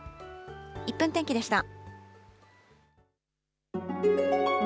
１分天気でした。